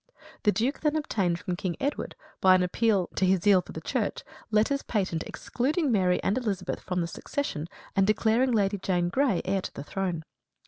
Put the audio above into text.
The Duke then obtained from King Edward, by an appeal to his zeal for the Church, letters patent excluding Mary and Elizabeth from the succession and declaring Lady Jane Grey heir to the throne.